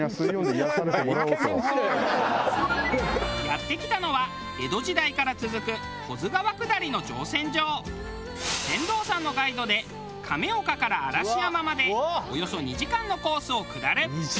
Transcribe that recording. やって来たのは江戸時代から続く船頭さんのガイドで亀岡から嵐山までおよそ２時間のコースを下る。